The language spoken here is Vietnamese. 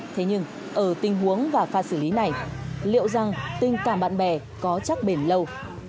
thế nhưng ở tình huống và pha xử lý này liệu rằng tình cảm bạn bè có chắc bền lâu